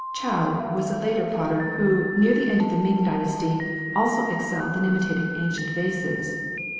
Chow was a later potter who, near the end of the Ming dynasty, also excelled in imitating ancient vases.